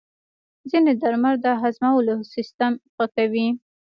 ځینې درمل د هضمولو سیستم ښه کوي.